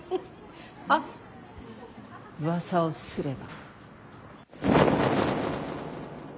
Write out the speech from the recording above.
あっうわさをすれば。